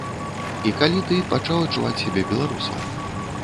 І калі ты пачаў адчуваць сябе беларусам?